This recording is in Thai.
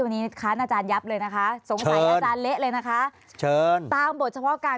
วันนี้ค้านอาจารยับเลยนะคะสงสัยอาจารย์เละเลยนะคะเชิญตามบทเฉพาะการ